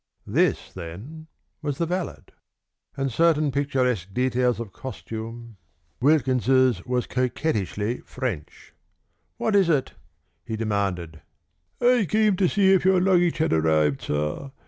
This, then, was the valet. In certain picturesque details of costume Wilkins's was coquettishly French. "What is it?" he demanded. "I came to see if your luggage had arrived, sir.